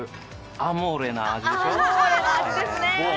アモーレな味ですね。